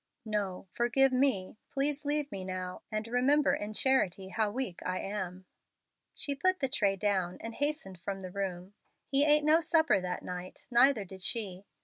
"No, forgive me. Please leave me now, and remember in charity how weak I am." She put the tray down and hastened from the room. He ate no supper that night, neither did she.